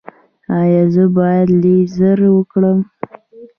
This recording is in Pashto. ایا زه باید لیزر وکړم؟